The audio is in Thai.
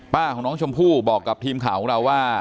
ของน้องชมพู่บอกกับทีมข่าวของเราว่า